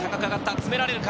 詰められるか。